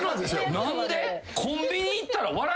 何で？